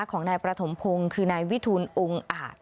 ของนายประถมพงศ์คือนายวิทูลองค์อาจ